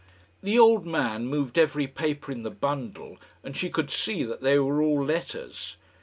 The old man moved every paper in the bundle, and she could see that they were all letters.